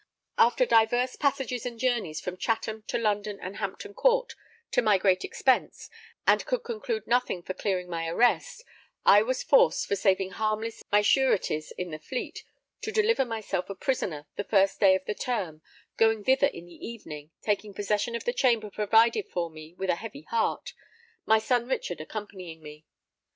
After divers passages and journeys from Chatham to London and Hampton Court, to my great expense, and could conclude nothing for clearing my arrest, I was forced, for saving harmless my sureties in the Fleet, to deliver myself a prisoner the first day of the term, going thither in the evening, taking possession of the chamber provided for me with a heavy heart, my son Richard accompanying me.